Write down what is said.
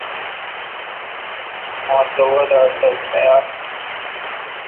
مہ تہ وادہ ست تہ یال۔